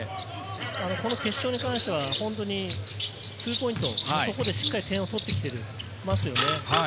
決勝に関しては、ツーポイントのところでしっかり点を取ってきていますよね。